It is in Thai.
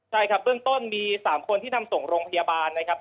ใช่ครับเบื้องต้นมี๓คนที่นำส่งโรงพยาบาลนะครับ